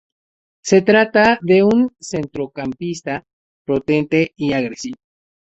Se trata de un centrocampista potente y agresivo.